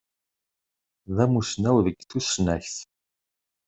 D amussnaw deg tussnakt.